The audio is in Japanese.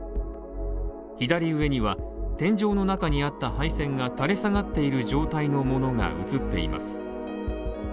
左上には、天井の中にあった配線が垂れ下がっている状態のものが映っています。